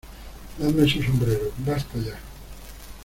¡ Dadme su sombrero! ¡ basta ya !